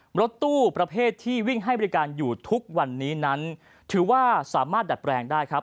รถตู้ประเภทที่วิ่งให้บริการอยู่ทุกวันนี้นั้นถือว่าสามารถดัดแปลงได้ครับ